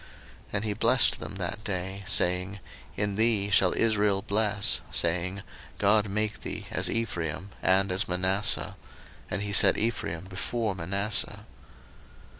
01:048:020 And he blessed them that day, saying, In thee shall Israel bless, saying, God make thee as Ephraim and as Manasseh: and he set Ephraim before Manasseh.